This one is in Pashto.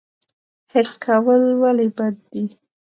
حرص کول ولې بد دي؟